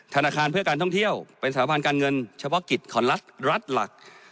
ธนาคารเพื่อการท่องเที่ยวเป็นสถาบันการเงินเฉพาะกิจของรัฐรัฐหลัก